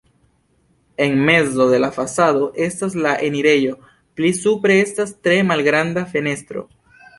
En mezo de la fasado estas la enirejo, pli supre estas tre malgranda fenestro.